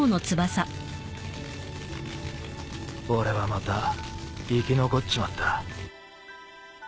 俺はまた生き残っちまった。